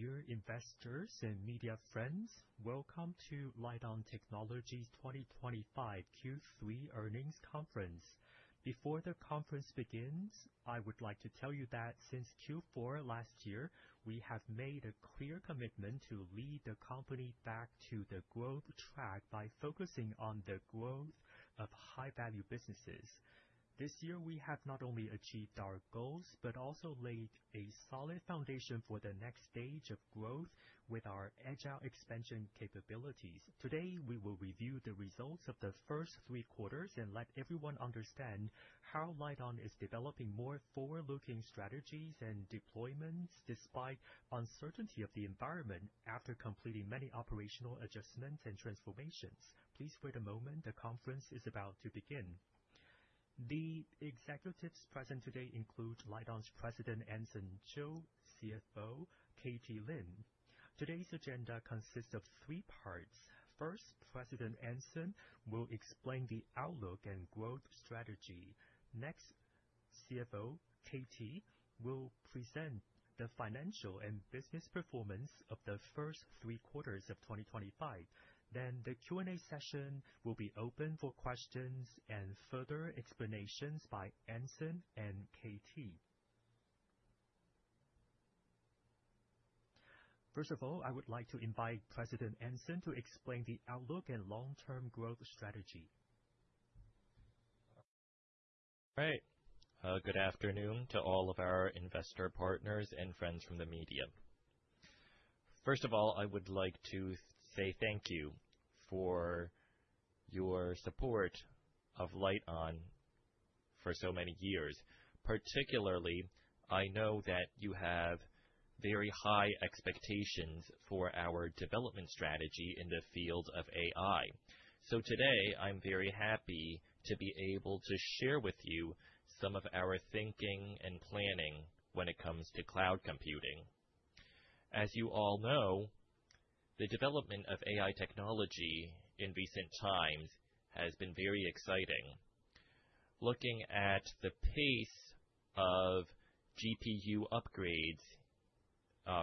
Dear investors and media friends, welcome to Lite-On Technology's 2025 Q3 earnings conference. Before the conference begins, I would like to tell you that since Q4 last year, we have made a clear commitment to lead the company back to the growth track by focusing on the growth of high-value businesses. This year, we have not only achieved our goals but also laid a solid foundation for the next stage of growth with our agile expansion capabilities. Today, we will review the results of the first three quarters and let everyone understand how Lite-On is developing more forward-looking strategies and deployments despite uncertainty of the environment after completing many operational adjustments and transformations. Please wait a moment. The conference is about to begin. The executives present today include Lite-On's President Anson Chiu, CFO KT Lim. Today's agenda consists of three parts. First, President Anson will explain the outlook and growth strategy. Next, CFO KT will present the financial and business performance of the first three quarters of 2025. Then, the Q&A session will be open for questions and further explanations by Anson and KT. First of all, I would like to invite President Anson to explain the outlook and long-term growth strategy. All right. Good afternoon to all of our investor partners and friends from the media. First of all, I would like to say thank you for your support of Lite-On for so many years. Particularly, I know that you have very high expectations for our development strategy in the field of AI. So today, I'm very happy to be able to share with you some of our thinking and planning when it comes to cloud computing. As you all know, the development of AI technology in recent times has been very exciting. Looking at the pace of GPU upgrades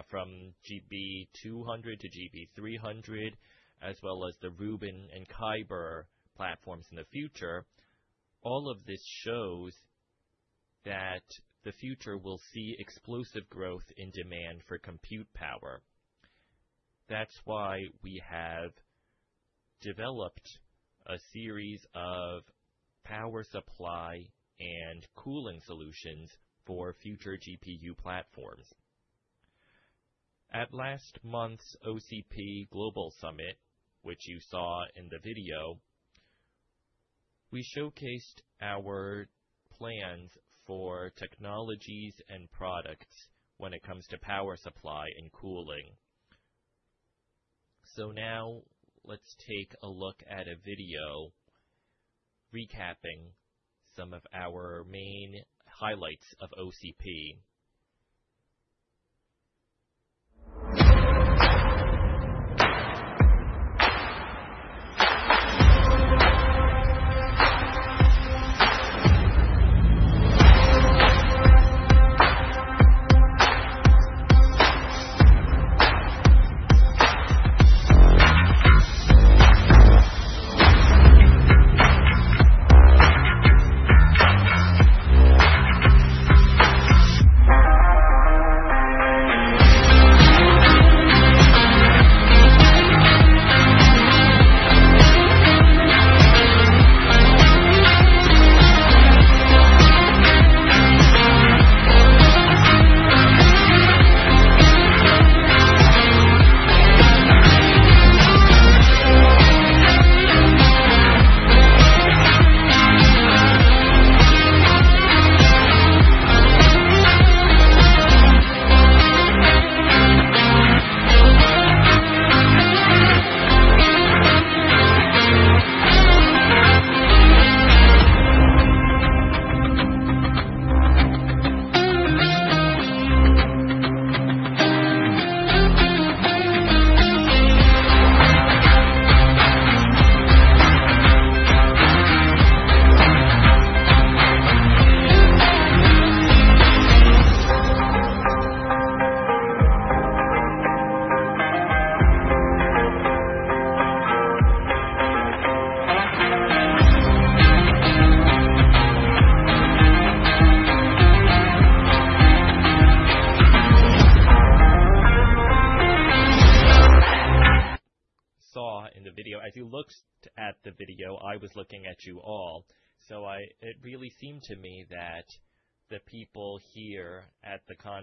from GB200 to GB300, as well as the Rubin and Kyber platforms in the future, all of this shows that the future will see explosive growth in demand for compute power. That's why we have developed a series of power supply and cooling solutions for future GPU platforms. At last month's OCP Global Summit, which you saw in the video, we showcased our plans for technologies and products when it comes to power supply and cooling. So now, let's take a look at a video recapping some of our main highlights of OCP.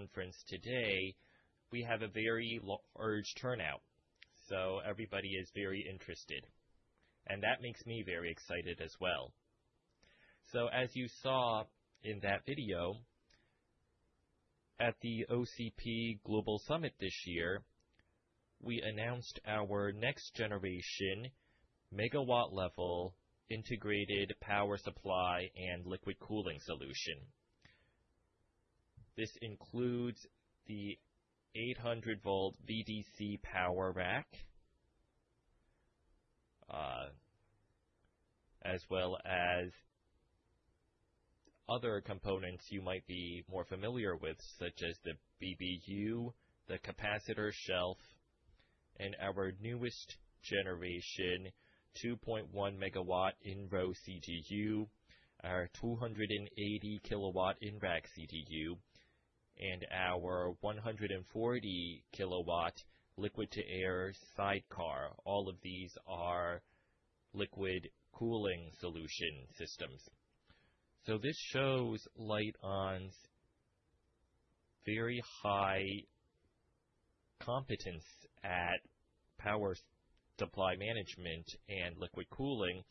You saw in the video, as you looked at the video, I was looking at you all, so it really seemed to me that the people here at the conference today, we have a very large turnout, so everybody is very interested, and that makes me very excited as well, so as you saw in that video, at the OCP Global Summit this year, we announced our next-generation megawatt-level integrated power supply and liquid cooling solution. This includes the 800-volt VDC power rack, as well as other components you might be more familiar with, such as the BBU, the capacitor shelf, and our newest generation 2.1-megawatt in-row CDU, our 280-kilowatt in-rack CDU, and our 140-kilowatt liquid-to-air sidecar. All of these are liquid cooling solution systems, so this shows Lite-On's very high competence at power supply management and liquid cooling.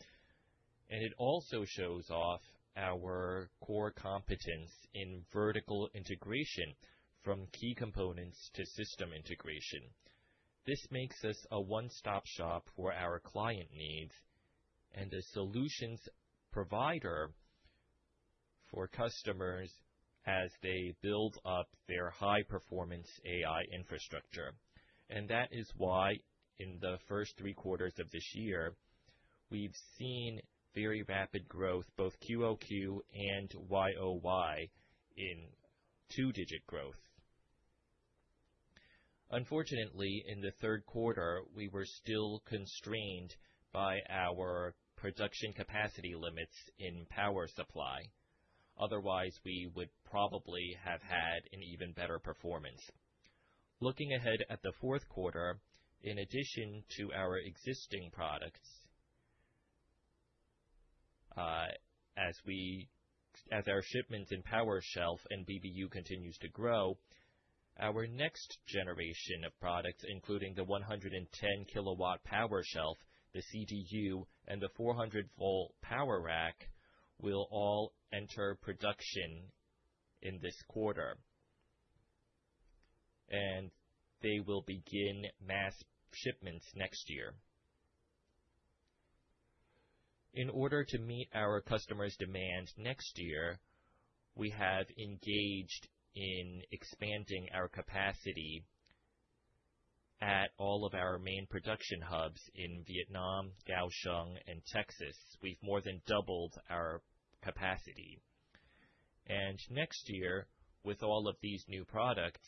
And it also shows off our core competence in vertical integration from key components to system integration. This makes us a one-stop shop for our client needs and a solutions provider for customers as they build up their high-performance AI infrastructure. And that is why in the first three quarters of this year, we've seen very rapid growth, both QOQ and YOY, in two-digit growth. Unfortunately, in the third quarter, we were still constrained by our production capacity limits in power supply. Otherwise, we would probably have had an even better performance. Looking ahead at the fourth quarter, in addition to our existing products, as our shipments and power shelf and BBU continues to grow, our next generation of products, including the 110-kilowatt power shelf, the CDU, and the 400-volt power rack, will all enter production in this quarter. And they will begin mass shipments next year. In order to meet our customers' demands next year, we have engaged in expanding our capacity at all of our main production hubs in Vietnam, Kaohsiung, and Texas. We've more than doubled our capacity, and next year, with all of these new products,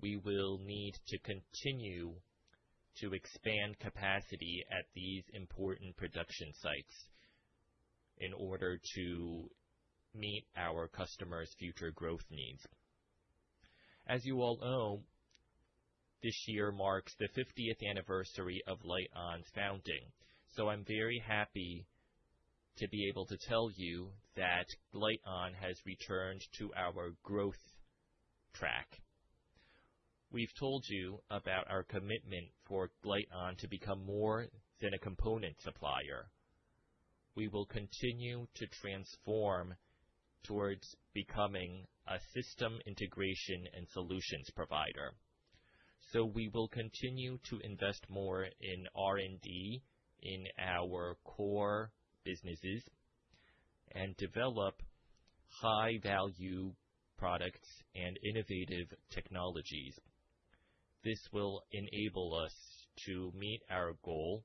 we will need to continue to expand capacity at these important production sites in order to meet our customers' future growth needs. As you all know, this year marks the 50th anniversary of Lite-On's founding, so I'm very happy to be able to tell you that Lite-On has returned to our growth track. We've told you about our commitment for Lite-On to become more than a component supplier. We will continue to transform towards becoming a system integration and solutions provider, so we will continue to invest more in R&D in our core businesses and develop high-value products and innovative technologies. This will enable us to meet our goal,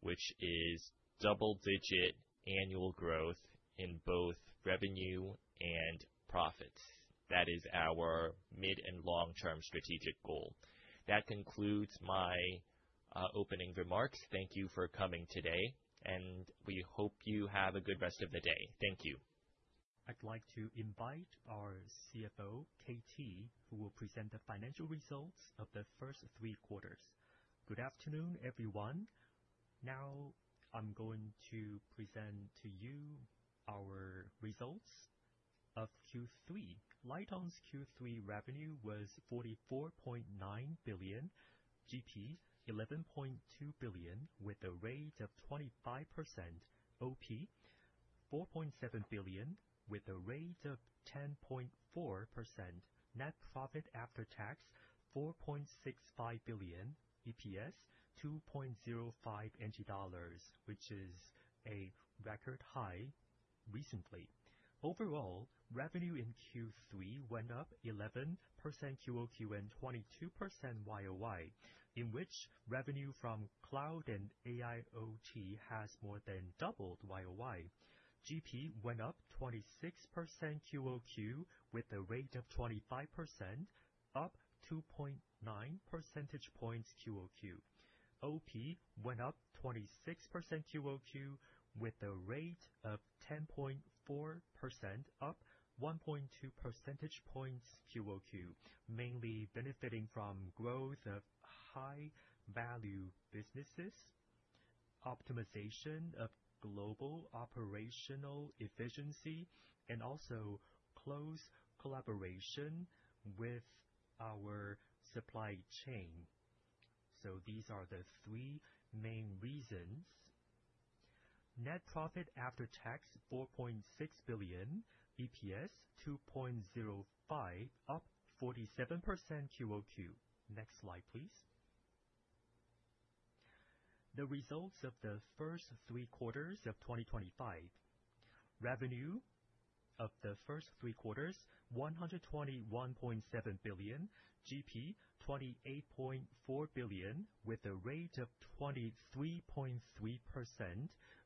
which is double-digit annual growth in both revenue and profits. That is our mid and long-term strategic goal. That concludes my opening remarks. Thank you for coming today, and we hope you have a good rest of the day. Thank you. I'd like to invite our CFO, KT, who will present the financial results of the first three quarters. Good afternoon, everyone. Now, I'm going to present to you our results of Q3. Lite-On's Q3 revenue was NT$44.9 billion, GP NT$11.2 billion, with a rate of 25%, OP NT$4.7 billion, with a rate of 10.4%, net profit after tax NT$4.65 billion, EPS NT$2.05, which is a record high recently. Overall, revenue in Q3 went up 11% QOQ and 22% YOY, in which revenue from cloud and AIoT has more than doubled YOY. GP went up 26% QOQ with a rate of 25%, up 2.9 percentage points QOQ. OP went up 26% QOQ with a rate of 10.4%, up 1.2 percentage points QOQ, mainly benefiting from growth of high-value businesses, optimization of global operational efficiency, and also close collaboration with our supply chain. So these are the three main reasons. Net profit after tax 4.6 billion, EPS 2.05, up 47% QOQ. Next slide, please. The results of the first three quarters of 2025. Revenue of the first three quarters 121.7 billion, GP 28.4 billion with a rate of 23.3%,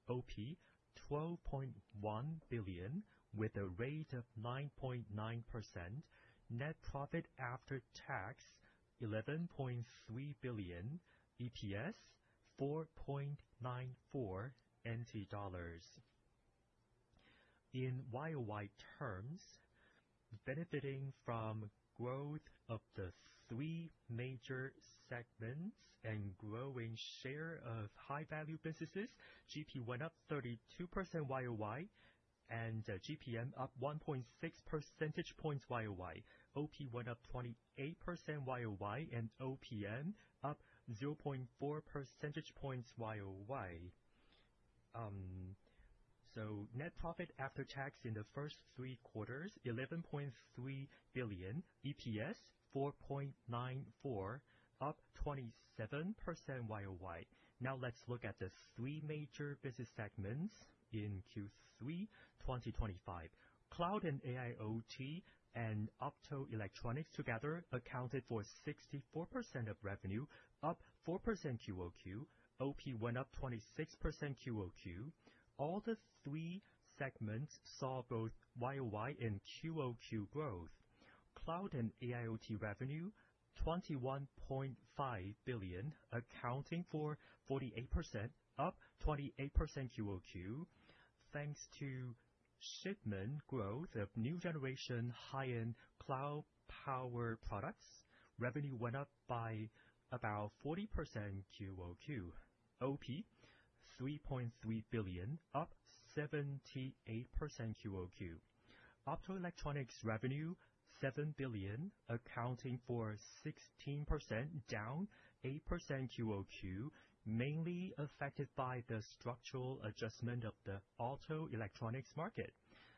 OP 12.1 billion with a rate of 9.9%. Net profit after tax 11.3 billion, EPS 4.94 NT dollars. In YOY terms, benefiting from growth of the three major segments and growing share of high-value businesses, GP went up 32% YOY and GPM up 1.6 percentage points YOY. OP went up 28% YOY and OPM up 0.4 percentage points YOY, so net profit after tax in the first three quarters, 11.3 billion. EPS, 4.94, up 27% YOY. Now, let's look at the three major business segments in Q3 2025. Cloud and AIoT and Optoelectronics together accounted for 64% of revenue, up 4% QOQ. OP went up 26% QOQ. All the three segments saw both YOY and QOQ growth. Cloud and AIoT revenue, 21.5 billion, accounting for 48%, up 28% QOQ. Thanks to shipment growth of new generation high-end cloud power products, revenue went up by about 40% QOQ. OP, 3.3 billion, up 78% QOQ. Optoelectronics revenue, 7 billion, accounting for 16%, down 8% QOQ, mainly affected by the structural adjustment of the auto electronics market.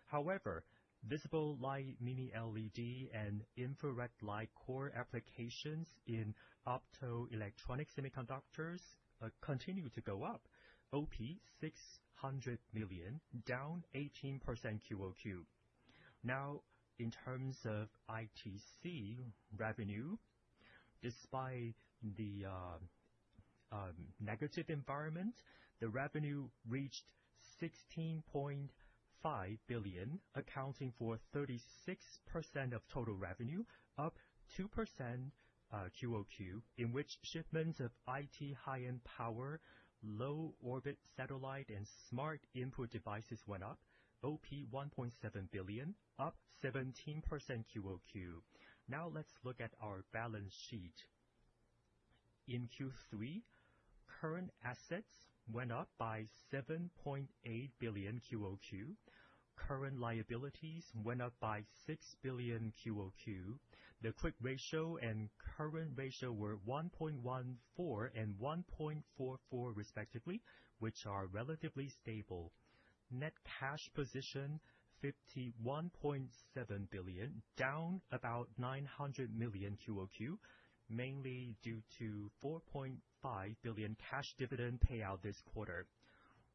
However, visible light mini LED and infrared light core applications in optoelectronic semiconductors continue to go up. OP, 600 million, down 18% QOQ. Now, in terms of ITC revenue, despite the negative environment, the revenue reached 16.5 billion, accounting for 36% of total revenue, up 2% QOQ, in which shipments of IT high-end power, low-orbit satellite, and smart input devices went up. OP, 1.7 billion, up 17% QOQ. Now, let's look at our balance sheet. In Q3, current assets went up by 7.8 billion QOQ. Current liabilities went up by 6 billion QOQ. The quick ratio and current ratio were 1.14 and 1.44, respectively, which are relatively stable. Net cash position, 51.7 billion, down about 900 million QOQ, mainly due to 4.5 billion cash dividend payout this quarter.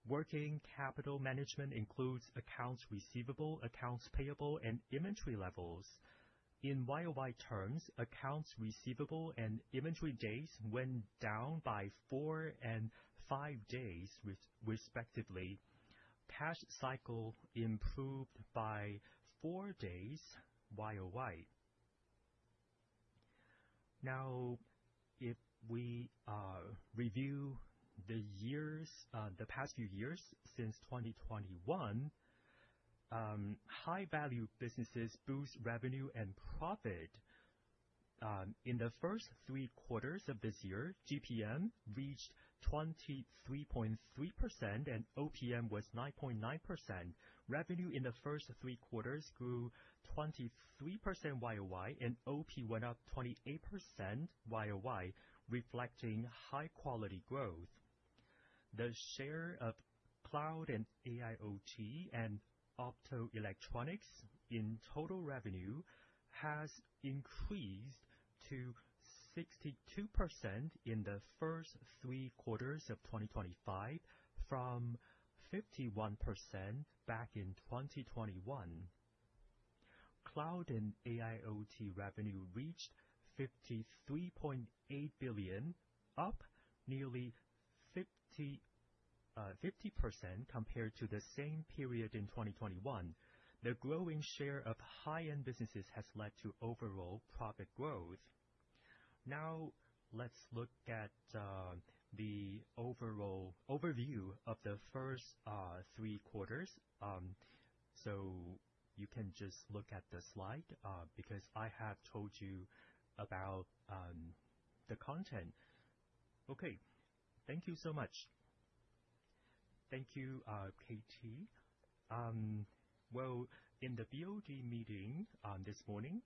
Working capital management includes accounts receivable, accounts payable, and inventory levels. In YOY terms, accounts receivable and inventory days went down by four and five days, respectively. Cash cycle improved by four days, YOY. Now, if we review the past few years since 2021, high-value businesses boost revenue and profit. In the first three quarters of this year, GPM reached 23.3% and OPM was 9.9%. Revenue in the first three quarters grew 23% YOY and OP went up 28% YOY, reflecting high-quality growth. The share of cloud and AIoT and optoelectronics in total revenue has increased to 62% in the first three quarters of 2025, from 51% back in 2021. Cloud and AIoT revenue reached 53.8 billion, up nearly 50% compared to the same period in 2021. The growing share of high-end businesses has led to overall profit growth. Now, let's look at the overview of the first three quarters. So you can just look at the slide because I have told you about the content. Okay. Thank you so much. Thank you, KT. In the BOD meeting this morning,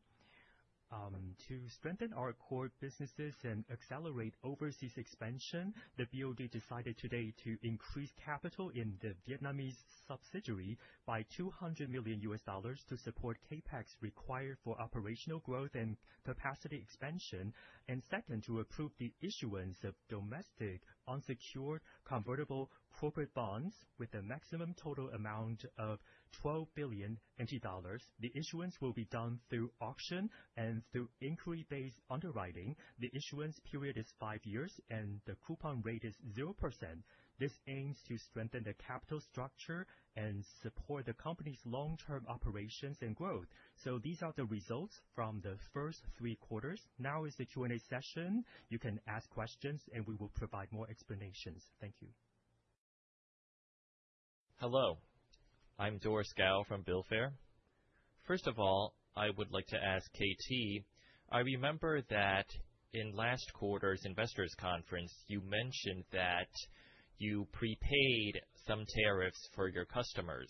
to strengthen our core businesses and accelerate overseas expansion, the BOD decided today to increase capital in the Vietnamese subsidiary by $200 million to support CapEx required for operational growth and capacity expansion. Second, to approve the issuance of domestic unsecured convertible corporate bonds with a maximum total amount of 12 billion NT dollars. The issuance will be done through auction and through inquiry-based underwriting. The issuance period is five years, and the coupon rate is 0%. This aims to strengthen the capital structure and support the company's long-term operations and growth. These are the results from the first three quarters. Now is the Q&A session. You can ask questions, and we will provide more explanations. Thank you. Hello. I'm Doris Gao from Billfair. First of all, I would like to ask KT. I remember that in last quarter's investors' conference, you mentioned that you prepaid some tariffs for your customers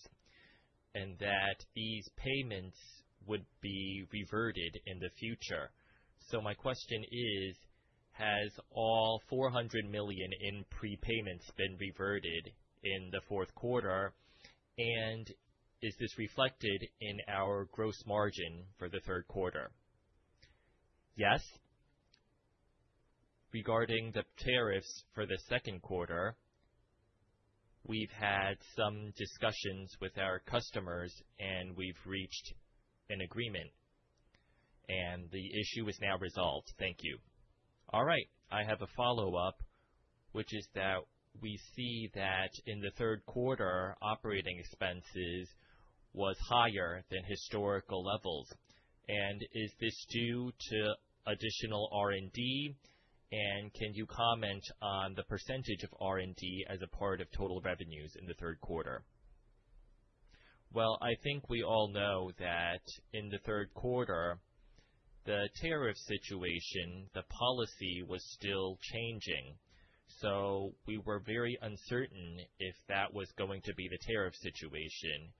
and that these payments would be reverted in the future. So my question is, has all $400 million in prepayments been reverted in the fourth quarter, and is this reflected in our gross margin for the third quarter? Yes. Regarding the tariffs for the second quarter, we've had some discussions with our customers, and we've reached an agreement, and the issue is now resolved. Thank you. All right. I have a follow-up, which is that we see that in the third quarter, operating expenses was higher than historical levels, and is this due to additional R&D, and can you comment on the percentage of R&D as a part of total revenues in the third quarter? Well, I think we all know that in the third quarter, the tariff situation, the policy was still changing. So we were very uncertain if that was going to be the tariff situation.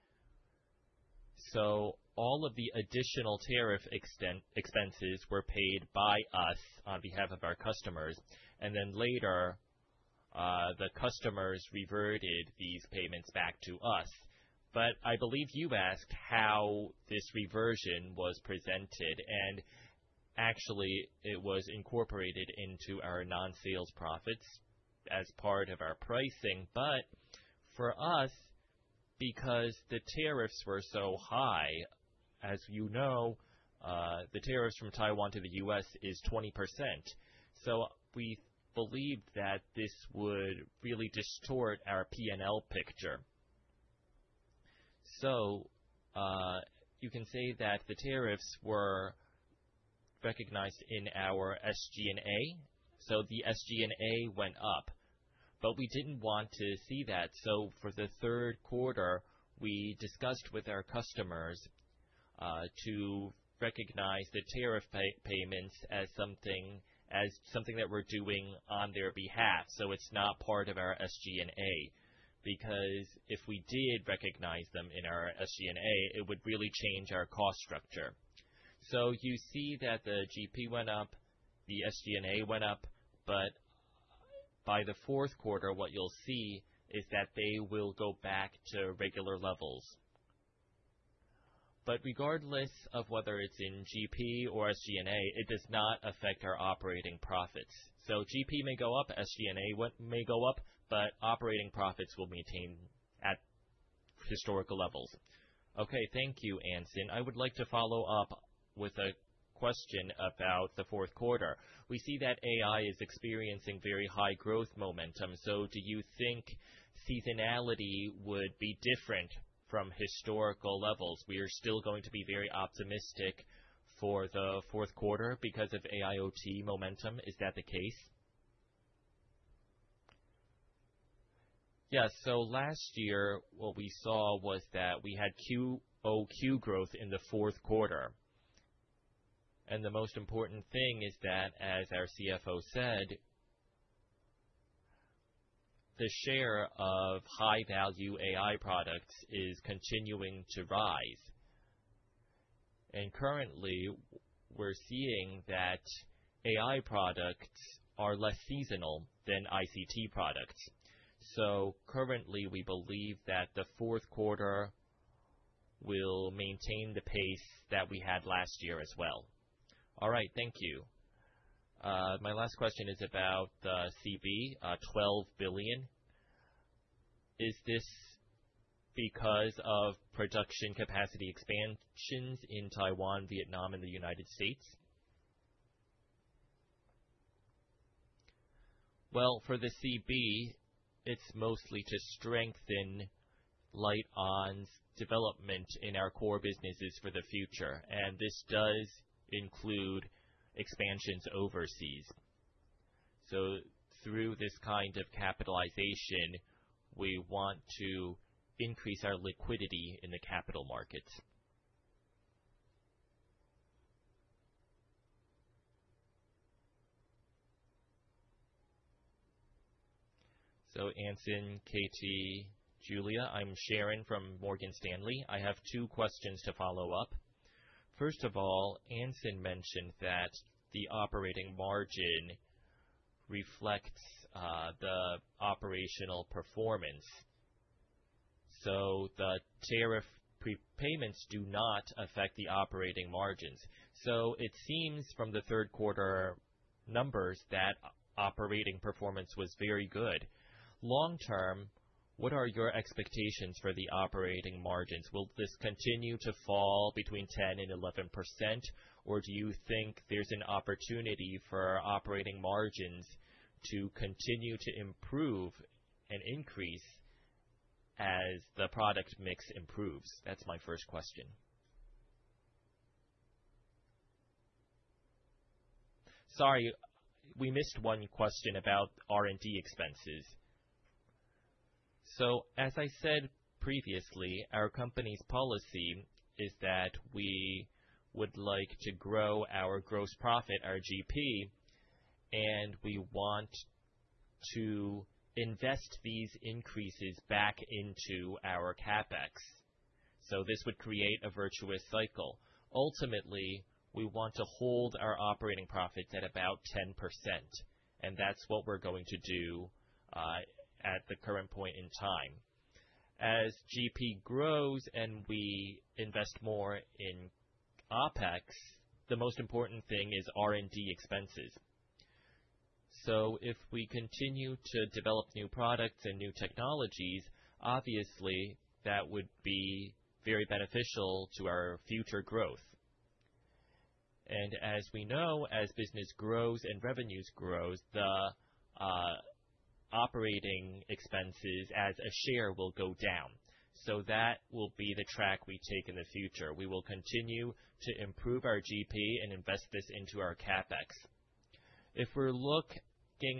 So all of the additional tariff expenses were paid by us on behalf of our customers. And then later, the customers reverted these payments back to us. But I believe you asked how this reversion was presented. And actually, it was incorporated into our non-sales profits as part of our pricing. But for us, because the tariffs were so high, as you know, the tariffs from Taiwan to the U.S. is 20%. So we believed that this would really distort our P&L picture. So you can say that the tariffs were recognized in our SG&A. So the SG&A went up. But we didn't want to see that. So for the third quarter, we discussed with our customers to recognize the tariff payments as something that we're doing on their behalf. So it's not part of our SG&A because if we did recognize them in our SG&A, it would really change our cost structure. So you see that the GP went up, the SG&A went up, but by the fourth quarter, what you'll see is that they will go back to regular levels. But regardless of whether it's in GP or SG&A, it does not affect our operating profits. So GP may go up, SG&A may go up, but operating profits will maintain at historical levels. Okay. Thank you, Anson. I would like to follow up with a question about the fourth quarter. We see that AI is experiencing very high growth momentum. So do you think seasonality would be different from historical levels? We are still going to be very optimistic for the fourth quarter because of AIoT momentum. Is that the case? Yes. So last year, what we saw was that we had QOQ growth in the fourth quarter. And the most important thing is that, as our CFO said, the share of high-value AI products is continuing to rise. And currently, we're seeing that AI products are less seasonal than ICT products. So currently, we believe that the fourth quarter will maintain the pace that we had last year as well. All right. Thank you. My last question is about the CB, 12 billion. Is this because of production capacity expansions in Taiwan, Vietnam, and the United States? Well, for the CB, it's mostly to strengthen Lite-On's development in our core businesses for the future. And this does include expansions overseas. So through this kind of capitalization, we want to increase our liquidity in the capital markets. So Anson, KT, Julia, I'm Sharon from Morgan Stanley. I have two questions to follow up. First of all, Anson mentioned that the operating margin reflects the operational performance. So the tariff prepayments do not affect the operating margins. So it seems from the third quarter numbers that operating performance was very good. Long-term, what are your expectations for the operating margins? Will this continue to fall between 10% and 11%, or do you think there's an opportunity for operating margins to continue to improve and increase as the product mix improves? That's my first question. Sorry. We missed one question about R&D expenses. So as I said previously, our company's policy is that we would like to grow our gross profit, our GP, and we want to invest these increases back into our CapEx. So this would create a virtuous cycle. Ultimately, we want to hold our operating profits at about 10%. And that's what we're going to do at the current point in time. As GP grows and we invest more in OpEx, the most important thing is R&D expenses. So if we continue to develop new products and new technologies, obviously, that would be very beneficial to our future growth. And as we know, as business grows and revenues grow, the operating expenses as a share will go down. So that will be the track we take in the future. We will continue to improve our GP and invest this into our CapEx.If we're looking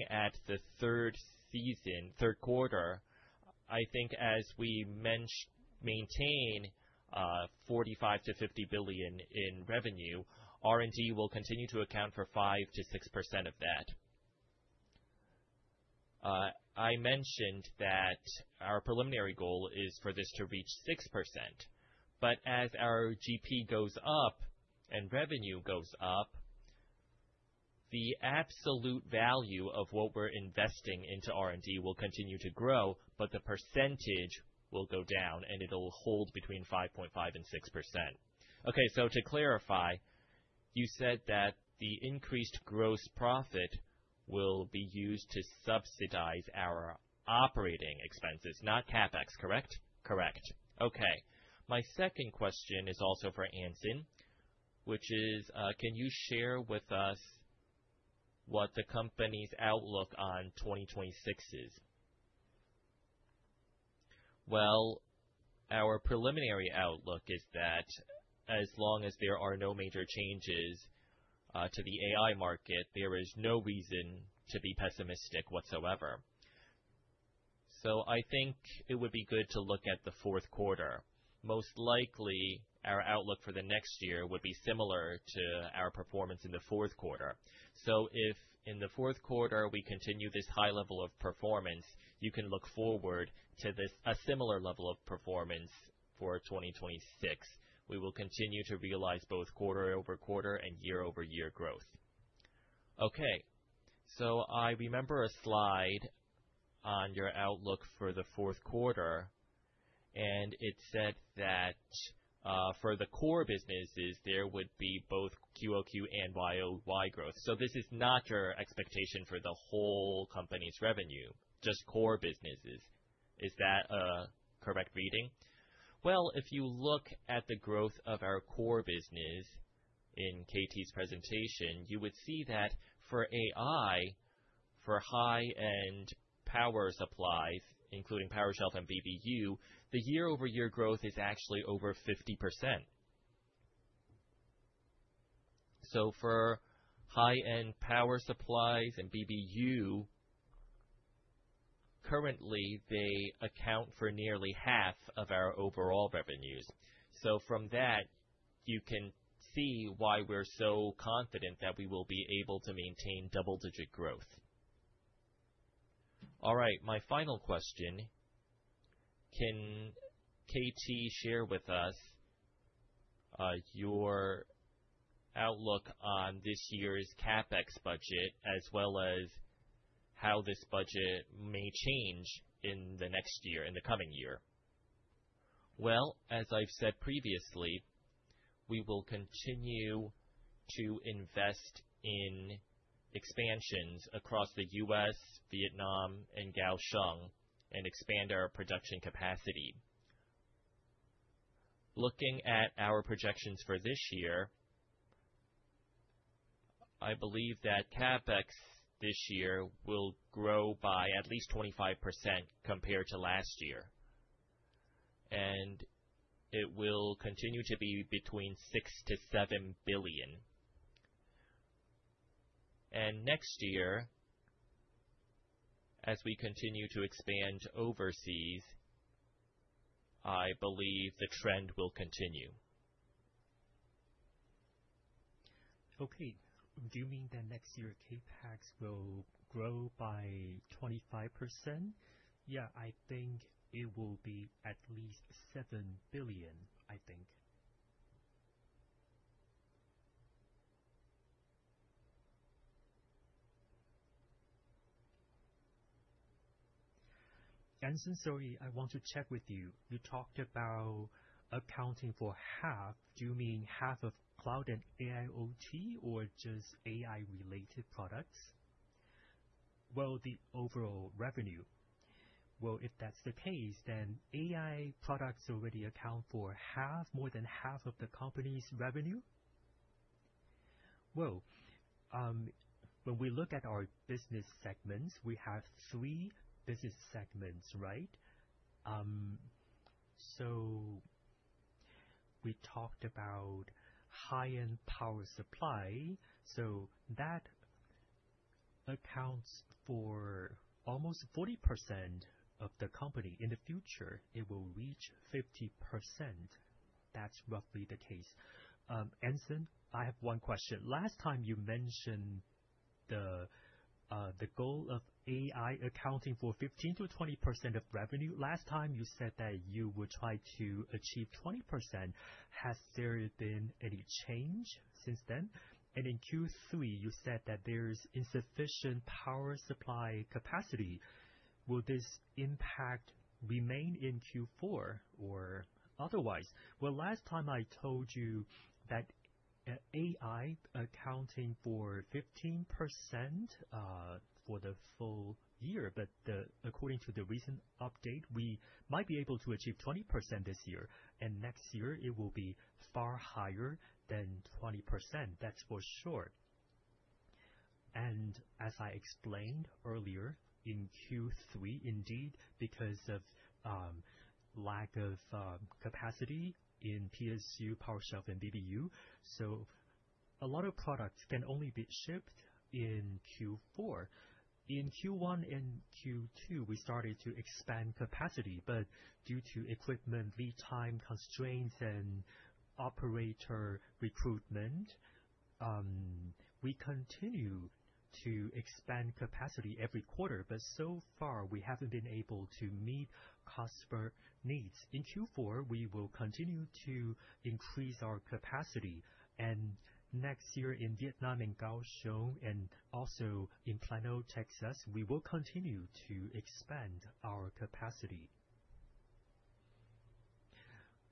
at the third season, third quarter, I think as we maintain 45-50 billion in revenue, R&D will continue to account for 5-6% of that. I mentioned that our preliminary goal is for this to reach 6%. But as our GP goes up and revenue goes up, the absolute value of what we're investing into R&D will continue to grow, but the percentage will go down, and it'll hold between 5.5-6%. Okay. So to clarify, you said that the increased gross profit will be used to subsidize our operating expenses, not CapEx, correct? Correct. Okay. My second question is also for Anson, which is, can you share with us what the company's outlook on 2026 is? Well, our preliminary outlook is that as long as there are no major changes to the AI market, there is no reason to be pessimistic whatsoever. So I think it would be good to look at the fourth quarter. Most likely, our outlook for the next year would be similar to our performance in the fourth quarter. So if in the fourth quarter we continue this high level of performance, you can look forward to a similar level of performance for 2026. We will continue to realize both quarter-over-quarter and year-over-year growth. Okay. So I remember a slide on your outlook for the fourth quarter, and it said that for the core businesses, there would be both QOQ and YOY growth. So this is not your expectation for the whole company's revenue, just core businesses. Is that a correct reading? If you look at the growth of our core business in KT's presentation, you would see that for AI, for high-end power supplies, including PowerShelf and BBU, the year-over-year growth is actually over 50%. For high-end power supplies and BBU, currently, they account for nearly half of our overall revenues. From that, you can see why we're so confident that we will be able to maintain double-digit growth. All right. My final question, can KT share with us your outlook on this year's CapEx budget as well as how this budget may change in the next year, in the coming year? As I've said previously, we will continue to invest in expansions across the U.S., Vietnam, and Kaohsiung and expand our production capacity. Looking at our projections for this year, I believe that CapEx this year will grow by at least 25% compared to last year. And it will continue to be between 6-7 billion. And next year, as we continue to expand overseas, I believe the trend will continue. Okay. Do you mean that next year CapEx will grow by 25%? Yeah. I think it will be at least 7 billion, I think. Anson, sorry, I want to check with you. You talked about accounting for half. Do you mean half of cloud and AIoT or just AI-related products? Well, the overall revenue. Well, if that's the case, then AI products already account for more than half of the company's revenue? Well, when we look at our business segments, we have three business segments, right? So we talked about high-end power supply. So that accounts for almost 40% of the company. In the future, it will reach 50%. That's roughly the case. Anson, I have one question. Last time, you mentioned the goal of AI accounting for 15%-20% of revenue. Last time, you said that you would try to achieve 20%. Has there been any change since then? And in Q3, you said that there's insufficient power supply capacity. Will this impact remain in Q4 or otherwise? Well, last time, I told you that AI accounting for 15% for the full year. But according to the recent update, we might be able to achieve 20% this year. And next year, it will be far higher than 20%. That's for sure. And as I explained earlier, in Q3, indeed, because of lack of capacity in PSU, PowerShelf, and BBU, so a lot of products can only be shipped in Q4. In Q1 and Q2, we started to expand capacity. But, due to equipment lead time constraints and operator recruitment, we continue to expand capacity every quarter. But so far, we haven't been able to meet customer needs. In Q4, we will continue to increase our capacity. And next year in Vietnam and Kaohsiung and also in Plano, Texas, we will continue to expand our capacity.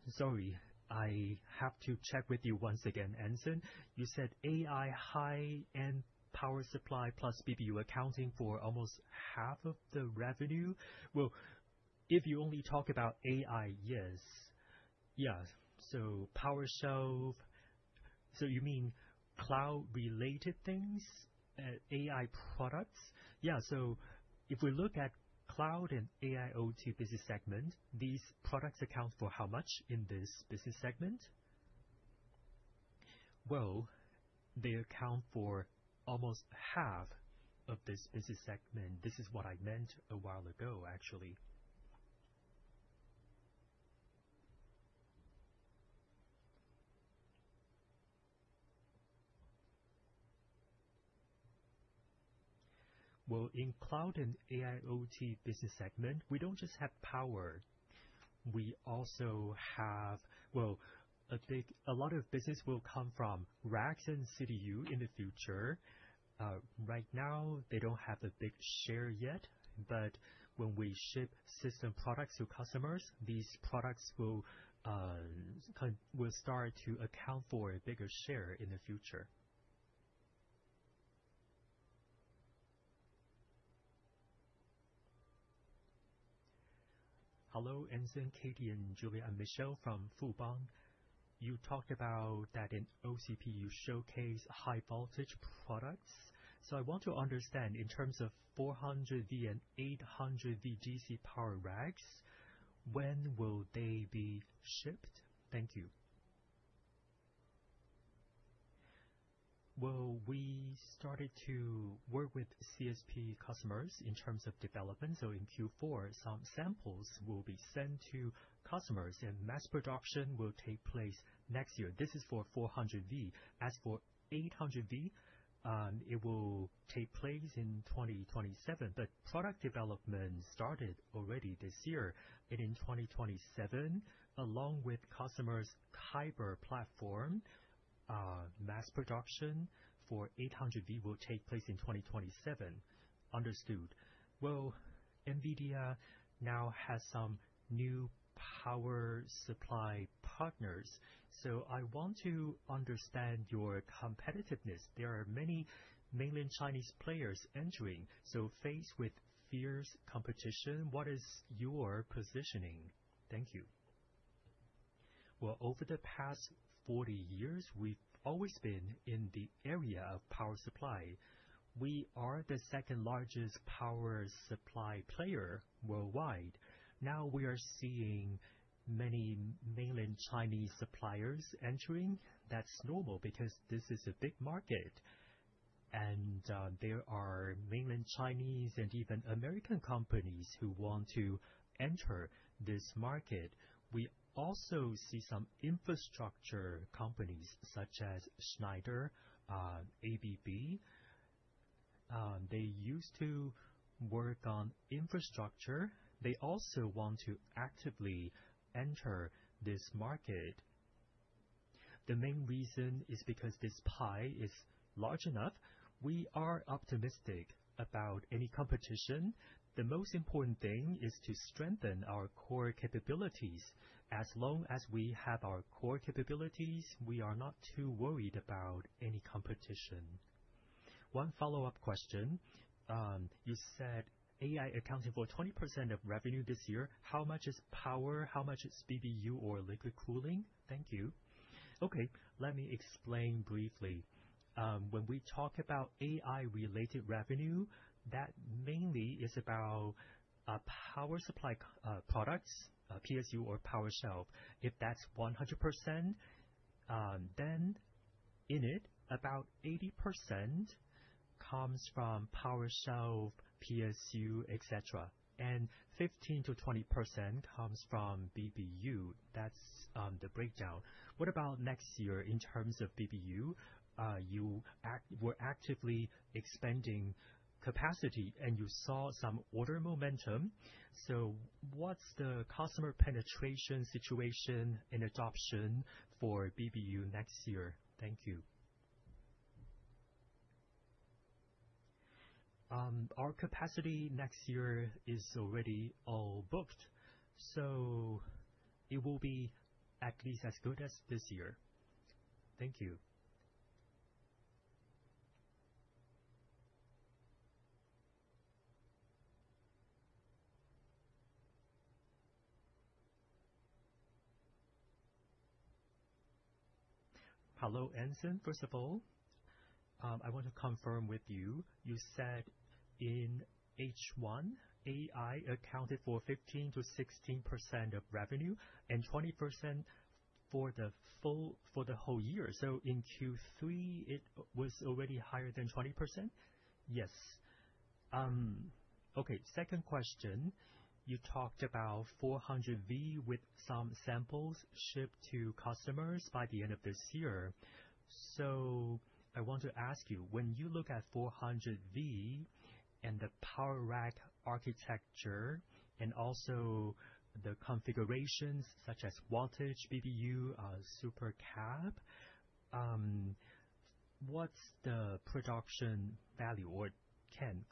Sorry. I have to check with you once again, Anson. You said AI, high-end power supply plus BBU accounting for almost half of the revenue. Well, if you only talk about AI, yes. Yeah. So PowerShelf. So you mean cloud-related things, AI products? Yeah. So if we look at cloud and AIoT business segment, these products account for how much in this business segment? Well, they account for almost half of this business segment. This is what I meant a while ago, actually. Well, in cloud and AIoT business segment, we don't just have power. We also have, well, a lot of business will come from Racks and CDU in the future. Right now, they don't have a big share yet. But when we ship system products to customers, these products will start to account for a bigger share in the future. Hello, Anson, Katie, and Julia. I'm Michelle from Fubon. You talked about that in OCP. You showcase high-voltage products. So I want to understand, in terms of 400V and 800V DC power racks, when will they be shipped? Thank you. Well, we started to work with CSP customers in terms of development. So in Q4, some samples will be sent to customers, and mass production will take place next year. This is for 400V. As for 800V, it will take place in 2027. But product development started already this year. And in 2027, along with customers' Kyber platform, mass production for 800V will take place in 2027. Understood. Well, NVIDIA now has some new power supply partners. So I want to understand your competitiveness. There are many mainland Chinese players entering. So faced with fierce competition, what is your positioning? Thank you. Well, over the past 40 years, we've always been in the area of power supply. We are the second-largest power supply player worldwide. Now, we are seeing many mainland Chinese suppliers entering. That's normal because this is a big market. And there are mainland Chinese and even American companies who want to enter this market. We also see some infrastructure companies such as Schneider, ABB. They used to work on infrastructure. They also want to actively enter this market. The main reason is because this pie is large enough. We are optimistic about any competition. The most important thing is to strengthen our core capabilities. As long as we have our core capabilities, we are not too worried about any competition. One follow-up question. You said AI accounting for 20% of revenue this year. How much is power? How much is BBU or liquid cooling? Thank you. Okay. Let me explain briefly. When we talk about AI-related revenue, that mainly is about power supply products, PSU or PowerShelf. If that's 100%, then in it, about 80% comes from PowerShelf, PSU, etc., and 15%-20% comes from BBU. That's the breakdown. What about next year in terms of BBU? You were actively expanding capacity, and you saw some order momentum, so what's the customer penetration situation and adoption for BBU next year? Thank you. Our capacity next year is already all booked, so it will be at least as good as this year. Thank you. Hello, Anson. First of all, I want to confirm with you. You said in H1, AI accounted for 15%-16% of revenue and 20% for the whole year. So in Q3, it was already higher than 20%? Yes. Okay. Second question. You talked about 400V with some samples shipped to customers by the end of this year. So I want to ask you, when you look at 400V and the power rack architecture and also the configurations such as wattage, BBU, supercap, what's the production value? Or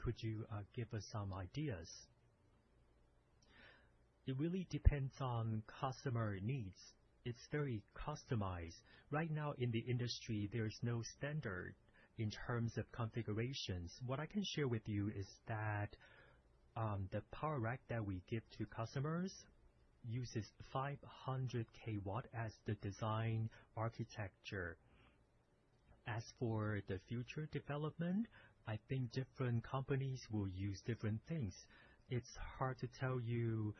could you give us some ideas? It really depends on customer needs. It's very customized. Right now, in the industry, there's no standard in terms of configurations. What I can share with you is that the power rack that we give to customers uses 500 kW as the design architecture. As for the future development, I think different companies will use different things. It's hard to tell you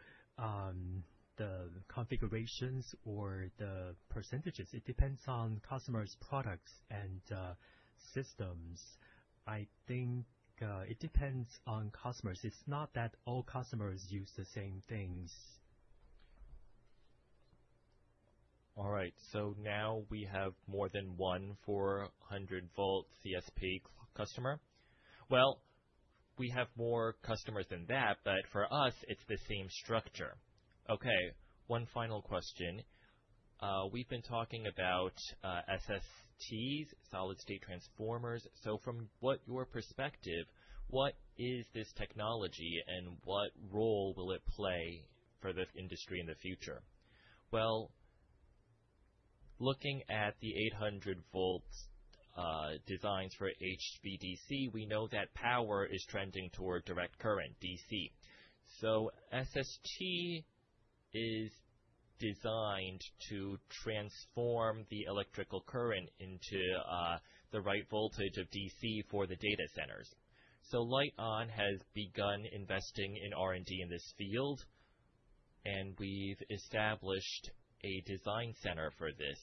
the configurations or the percentages. It depends on customers' products and systems. I think it depends on customers. It's not that all customers use the same things. All right. So now we have more than one 400-volt CSP customer. Well, we have more customers than that, but for us, it's the same structure. Okay. One final question. We've been talking about SSTs, solid-state transformers. So from your perspective, what is this technology and what role will it play for this industry in the future? Well, looking at the 800-volt designs for HVDC, we know that power is trending toward direct current, DC. So SST is designed to transform the electrical current into the right voltage of DC for the data centers. Lite-On has begun investing in R&D in this field, and we've established a design center for this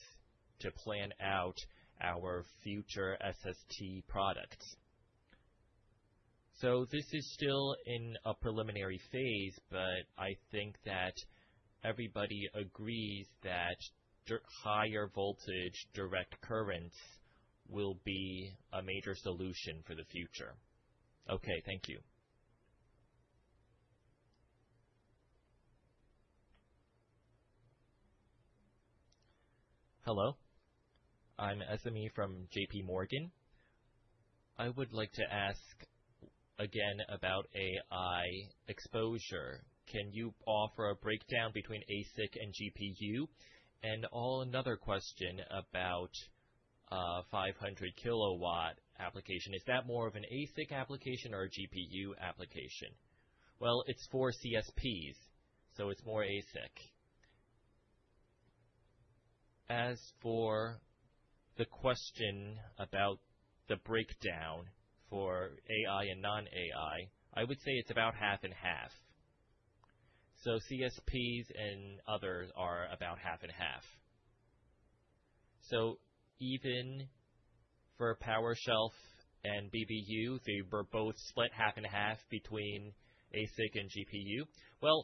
to plan out our future SST products. This is still in a preliminary phase, but I think that everybody agrees that higher voltage direct currents will be a major solution for the future. Okay. Thank you. Hello. I'm Esame from JPMorgan. I would like to ask again about AI exposure. Can you offer a breakdown between ASIC and GPU? And another question about 500-kilowatt application. Is that more of an ASIC application or a GPU application? It's for CSPs, so it's more ASIC. As for the question about the breakdown for AI and non-AI, I would say it's about half and half. CSPs and others are about half and half. Even for PowerShelf and BBU, they were both split half and half between ASIC and GPU.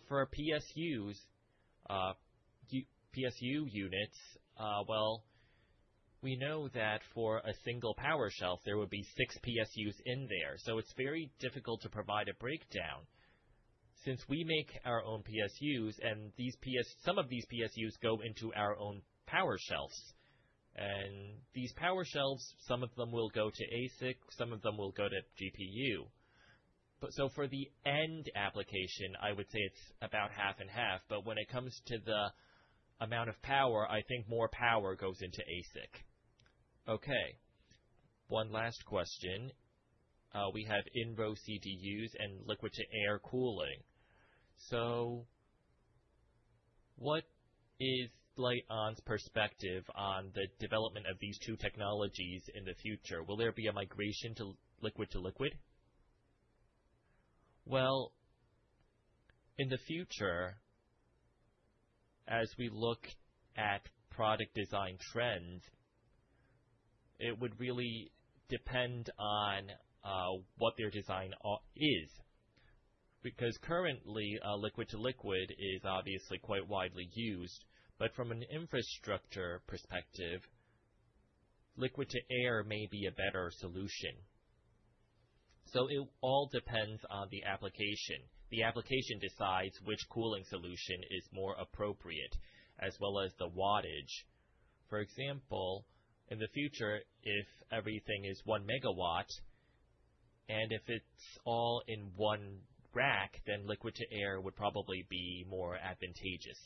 For PSU units, we know that for a single PowerShelf, there would be six PSUs in there. So it's very difficult to provide a breakdown. Since we make our own PSUs, and some of these PSUs go into our own PowerShelves, and these PowerShelves, some of them will go to ASIC, some of them will go to GPU. So for the end application, I would say it's about half and half. But when it comes to the amount of power, I think more power goes into ASIC. Okay. One last question. We have in-row CDUs and liquid-to-air cooling. So what is Lite-On's perspective on the development of these two technologies in the future? Will there be a migration to liquid-to-liquid? In the future, as we look at product design trends, it would really depend on what their design is. Because currently, liquid-to-liquid is obviously quite widely used. But from an infrastructure perspective, liquid-to-air may be a better solution. So it all depends on the application. The application decides which cooling solution is more appropriate, as well as the wattage. For example, in the future, if everything is one megawatt and if it's all in one rack, then liquid-to-air would probably be more advantageous.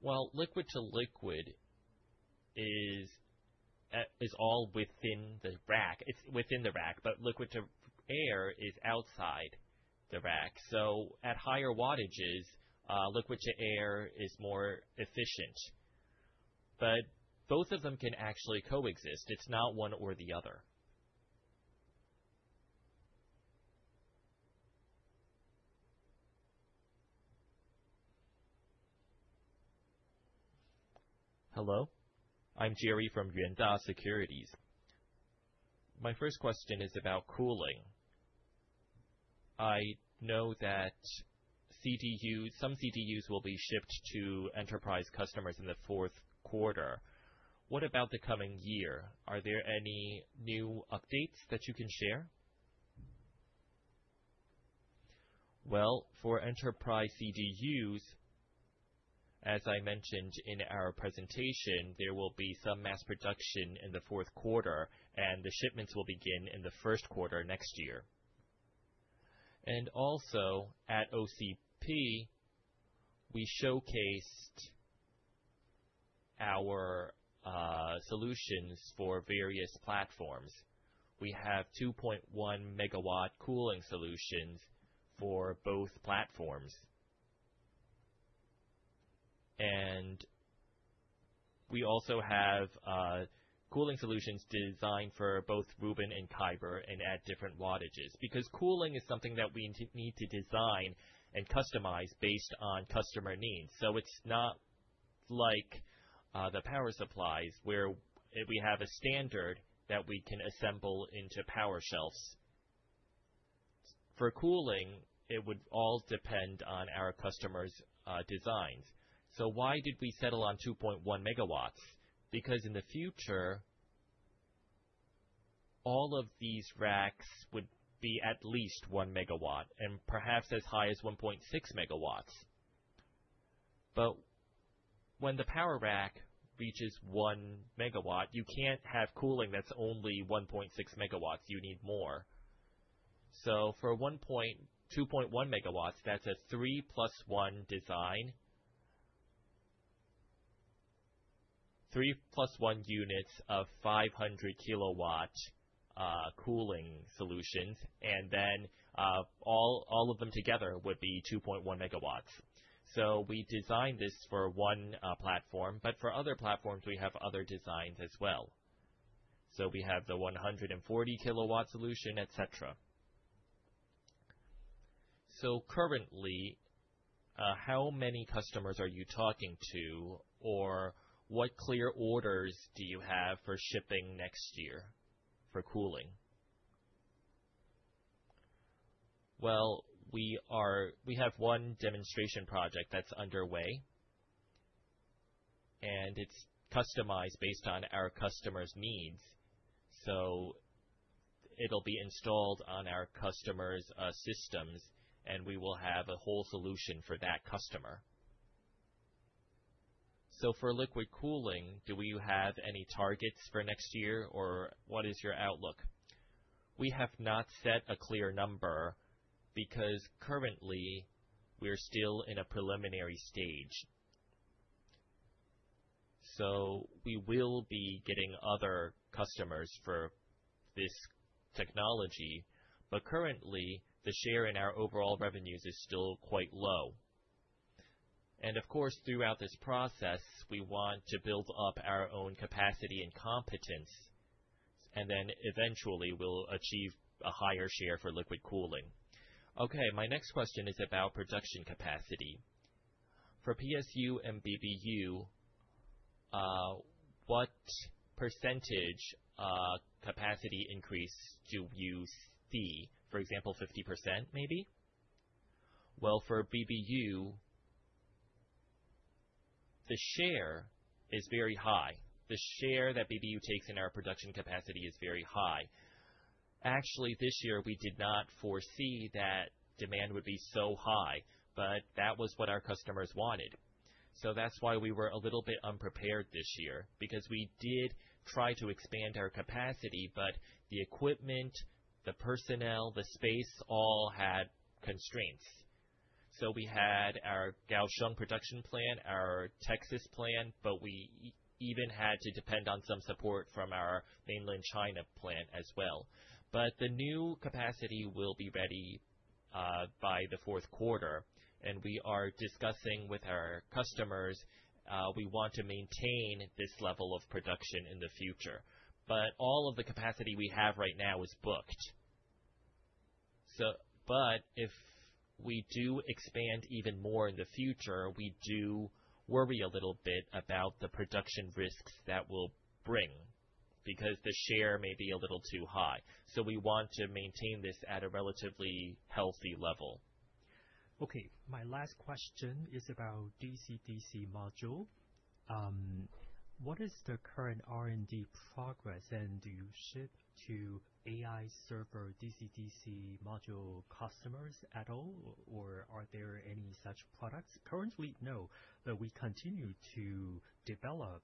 Well, liquid-to-liquid is all within the rack. It's within the rack, but liquid-to-air is outside the rack. So at higher wattages, liquid-to-air is more efficient. But both of them can actually coexist. It's not one or the other. Hello. I'm Jerry from Yuanta Securities. My first question is about cooling. I know that some CDUs will be shipped to enterprise customers in the fourth quarter. What about the coming year? Are there any new updates that you can share? Well, for enterprise CDUs, as I mentioned in our presentation, there will be some mass production in the fourth quarter, and the shipments will begin in the first quarter next year, and also at OCP, we showcased our solutions for various platforms. We have 2.1 megawatt cooling solutions for both platforms, and we also have cooling solutions designed for both Ruben and Kyber and at different wattages. Because cooling is something that we need to design and customize based on customer needs, so it's not like the power supplies where we have a standard that we can assemble into PowerShelfs. For cooling, it would all depend on our customers' designs, so why did we settle on 2.1 megawatts? Because in the future, all of these racks would be at least one megawatt and perhaps as high as 1.6 megawatts. But when the power rack reaches one megawatt, you can't have cooling that's only 1.6 megawatts. You need more. So for 2.1 megawatts, that's a three-plus-one design, three-plus-one units of 500-kilowatt cooling solutions. And then all of them together would be 2.1 megawatts. So we designed this for one platform. But for other platforms, we have other designs as well. So we have the 140-kilowatt solution, etc. So currently, how many customers are you talking to, or what clear orders do you have for shipping next year for cooling? Well, we have one demonstration project that's underway, and it's customized based on our customer's needs. So it'll be installed on our customer's systems, and we will have a whole solution for that customer. So for liquid cooling, do we have any targets for next year, or what is your outlook? We have not set a clear number because currently, we're still in a preliminary stage. So we will be getting other customers for this technology. But currently, the share in our overall revenues is still quite low. And of course, throughout this process, we want to build up our own capacity and competence, and then eventually, we'll achieve a higher share for liquid cooling. Okay. My next question is about production capacity. For PSU and BBU, what percentage capacity increase do you see? For example, 50% maybe? Well, for BBU, the share is very high. The share that BBU takes in our production capacity is very high. Actually, this year, we did not foresee that demand would be so high, but that was what our customers wanted. So that's why we were a little bit unprepared this year because we did try to expand our capacity, but the equipment, the personnel, the space all had constraints. So we had our Kaohsiung production plan, our Texas plan, but we even had to depend on some support from our mainland China plant as well. But the new capacity will be ready by the fourth quarter. And we are discussing with our customers, we want to maintain this level of production in the future. But all of the capacity we have right now is booked. But if we do expand even more in the future, we do worry a little bit about the production risks that will bring because the share may be a little too high. So we want to maintain this at a relatively healthy level. Okay. My last question is about DCDC module. What is the current R&D progress, and do you ship to AI server DC-DC module customers at all, or are there any such products? Currently, no. But we continue to develop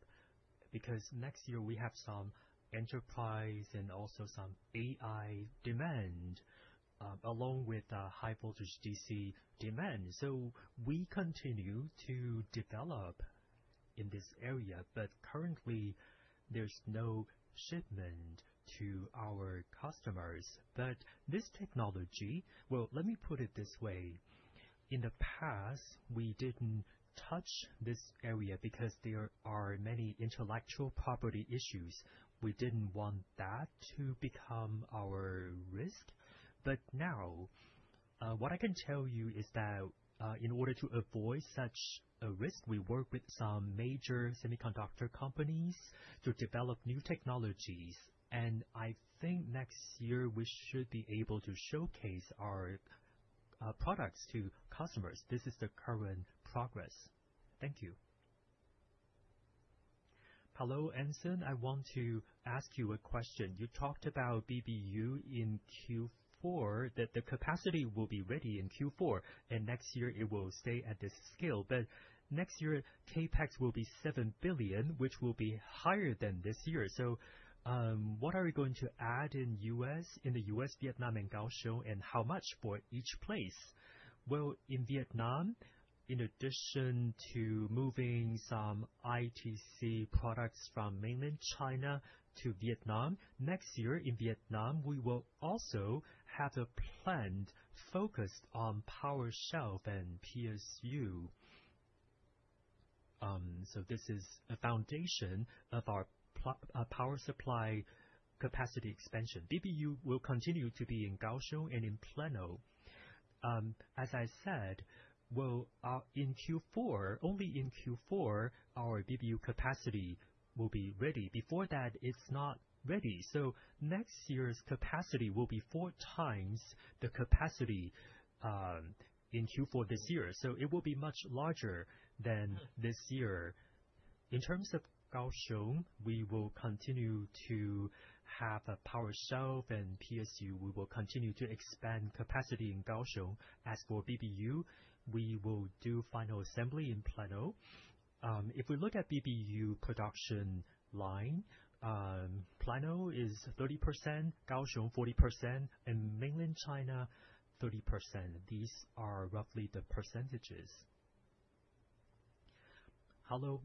because next year, we have some enterprise and also some AI demand along with high-voltage DC demand. So we continue to develop in this area, but currently, there's no shipment to our customers. But this technology, well, let me put it this way. In the past, we didn't touch this area because there are many intellectual property issues. We didn't want that to become our risk. But now, what I can tell you is that in order to avoid such a risk, we work with some major semiconductor companies to develop new technologies. And I think next year, we should be able to showcase our products to customers. This is the current progress. Thank you. Hello, Anson. I want to ask you a question. You talked about BBU in Q4, that the capacity will be ready in Q4, and next year, it will stay at this scale. But next year, CapEx will be 7 billion, which will be higher than this year. So what are we going to add in the U.S., Vietnam, and Kaohsiung, and how much for each place? Well, in Vietnam, in addition to moving some ITC products from mainland China to Vietnam, next year, in Vietnam, we will also have a plan focused on PowerShelf and PSU. So this is a foundation of our power supply capacity expansion. BBU will continue to be in Kaohsiung and in Plano. As I said, well, in Q4, only in Q4, our BBU capacity will be ready. Before that, it's not ready. So next year's capacity will be four times the capacity in Q4 this year. So it will be much larger than this year. In terms of Kaohsiung, we will continue to have a PowerShelf, and PSU, we will continue to expand capacity in Kaohsiung. As for BBU, we will do final assembly in Plano. If we look at BBU production line, Plano is 30%, Kaohsiung 40%, and mainland China 30%. These are roughly the percentages. Hello,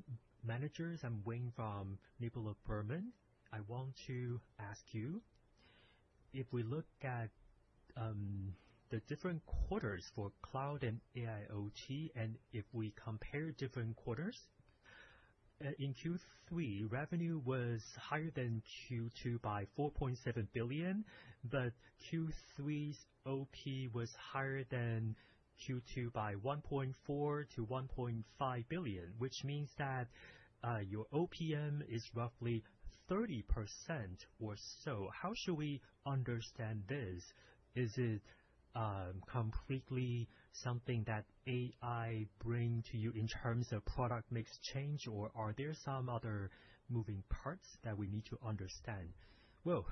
managers. I'm Wayne from Neuberger Berman. I want to ask you, if we look at the different quarters for cloud and AIoT and if we compare different quarters, in Q3, revenue was higher than Q2 by 4.7 billion, but Q3's OP was higher than Q2 by 1.4-1.5 billion, which means that your OPM is roughly 30% or so. How should we understand this? Is it completely something that AI brings to you in terms of product mix change, or are there some other moving parts that we need to understand? Well,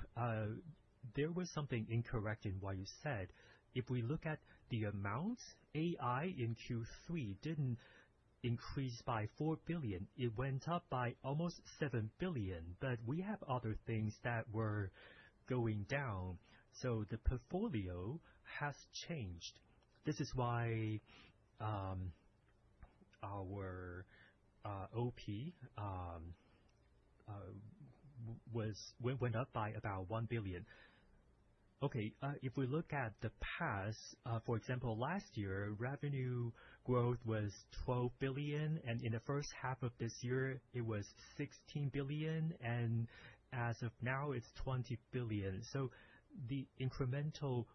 there was something incorrect in what you said. If we look at the amounts, AI in Q3 didn't increase by 4 billion. It went up by almost 7 billion. But we have other things that were going down, so the portfolio has changed. This is why our OP went up by about 1 billion. Okay. If we look at the past, for example, last year, revenue growth was 12 billion, and in the first half of this year, it was 16 billion, and as of now, it's 20 billion, so the incremental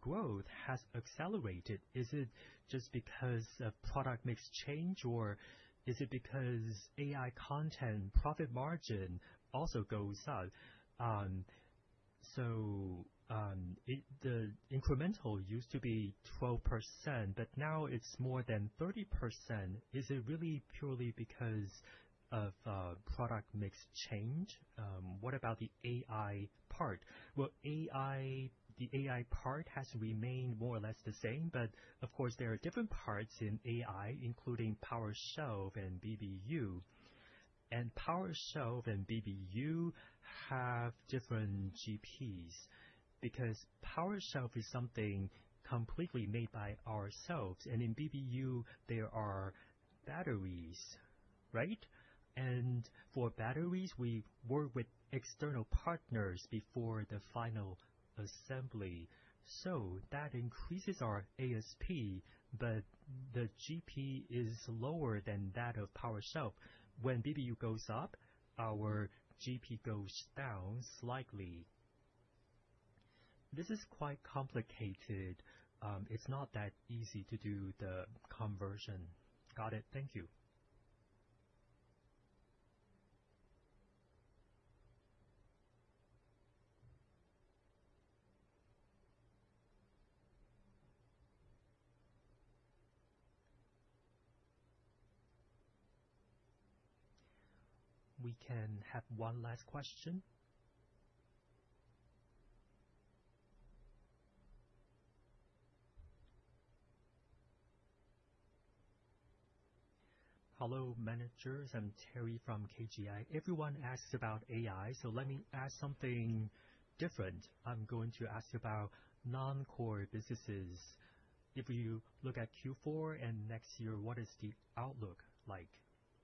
growth has accelerated. Is it just because of product mix change, or is it because AI content profit margin also goes up? The incremental used to be 12%, but now it's more than 30%. Is it really purely because of product mix change? What about the AI part? Well, the AI part has remained more or less the same. But of course, there are different parts in AI, including PowerShelf and BBU. And PowerShelf and BBU have different GPs because PowerShelf is something completely made by ourselves. And in BBU, there are batteries, right? And for batteries, we work with external partners before the final assembly. So that increases our ASP, but the GP is lower than that of PowerShelf. When BBU goes up, our GP goes down slightly. This is quite complicated. It's not that easy to do the conversion. Got it. Thank you. We can have one last question. Hello, managers. I'm Terry from KGI. Everyone asks about AI, so let me ask something different. I'm going to ask you about non-core businesses. If you look at Q4 and next year, what is the outlook like?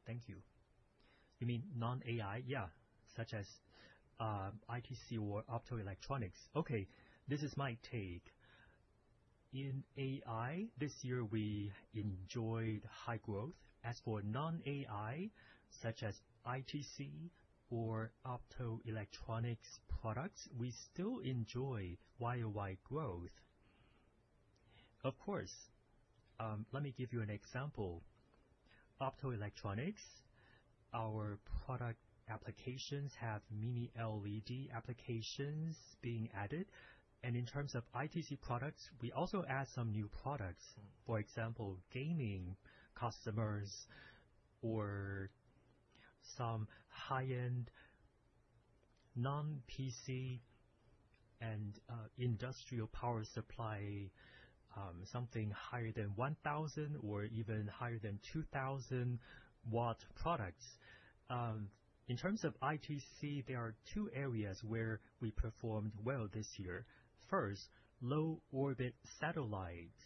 Thank you. You mean non-AI? Yeah, such as ITC or Optoelectronics. Okay. This is my take. In AI, this year, we enjoyed high growth. As for non-AI, such as ITC or Optoelectronics products, we still enjoy YOY growth. Of course. Let me give you an example. Optoelectronics, our product applications have mini LED applications being added, and in terms of ITC products, we also add some new products, for example, gaming customers or some high-end non-PC and industrial power supply, something higher than 1,000 or even higher than 2,000-watt products. In terms of ITC, there are two areas where we performed well this year. First, low-orbit satellites.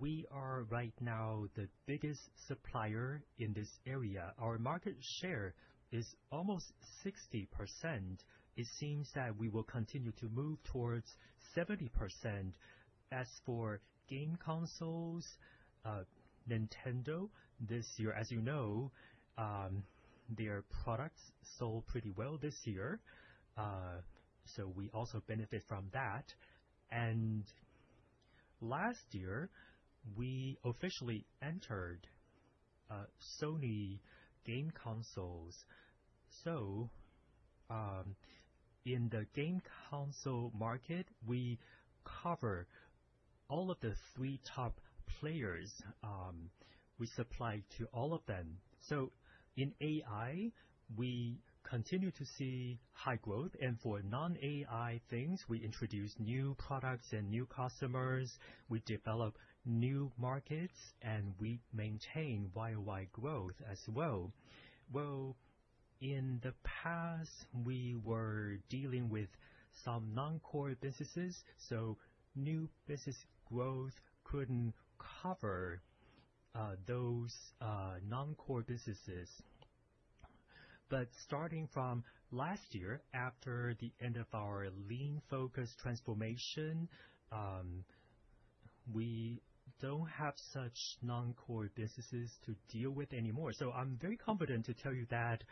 We are right now the biggest supplier in this area. Our market share is almost 60%. It seems that we will continue to move towards 70%. As for game consoles, Nintendo, this year, as you know, their products sold pretty well this year, so we also benefit from that, and last year, we officially entered Sony game consoles, so in the game console market, we cover all of the three top players. We supply to all of them, so in AI, we continue to see high growth, and for non-AI things, we introduce new products and new customers. We develop new markets, and we maintain YOY growth as well, well, in the past, we were dealing with some non-core businesses, so new business growth couldn't cover those non-core businesses, but starting from last year, after the end of our lean-focused transformation, we don't have such non-core businesses to deal with anymore. So I'm very confident to tell you that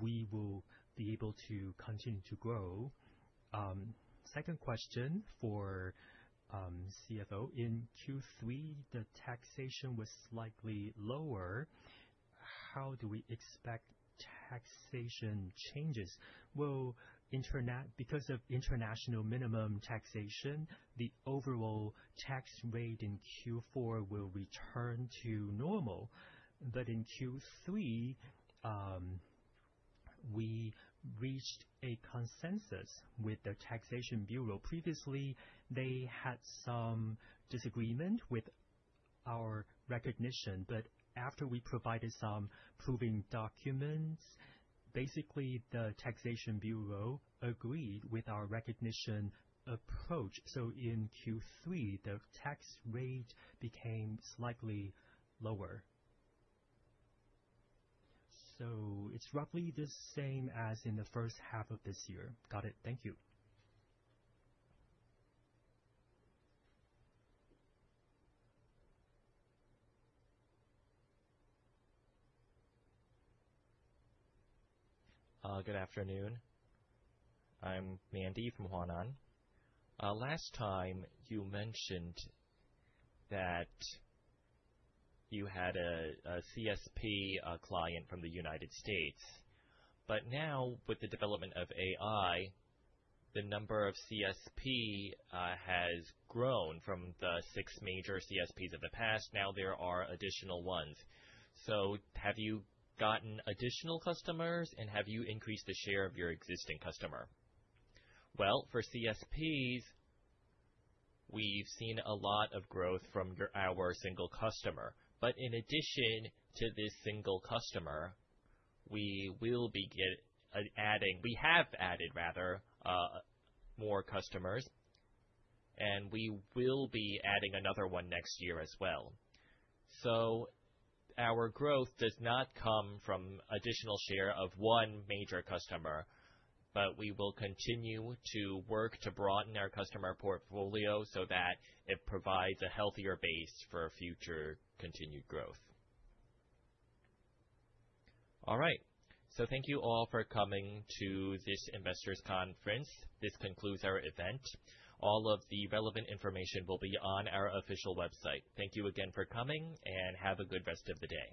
we will be able to continue to grow. Second question for CFO. In Q3, the taxation was slightly lower. How do we expect taxation changes? Well, because of international minimum taxation, the overall tax rate in Q4 will return to normal. But in Q3, we reached a consensus with the taxation bureau. Previously, they had some disagreement with our recognition. But after we provided some proving documents, basically, the taxation bureau agreed with our recognition approach. So in Q3, the tax rate became slightly lower. So it's roughly the same as in the first half of this year. Got it. Thank you. Good afternoon. I'm Mandy from Huanan. Last time, you mentioned that you had a CSP client from the United States. But now, with the development of AI, the number of CSPs has grown from the six major CSPs of the past. Now, there are additional ones. So have you gotten additional customers, and have you increased the share of your existing customer? Well, for CSPs, we've seen a lot of growth from our single customer. But in addition to this single customer, we will be adding, we have added, rather, more customers. And we will be adding another one next year as well. So our growth does not come from an additional share of one major customer, but we will continue to work to broaden our customer portfolio so that it provides a healthier base for future continued growth. All right. So thank you all for coming to this investors' conference. This concludes our event. All of the relevant information will be on our official website. Thank you again for coming, and have a good rest of the day.